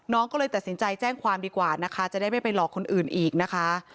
น้องก็เลยตัดสินใจแจ้งความดีกว่านะคะจะได้ไม่ไปหลอกคนอื่นอีกนะคะ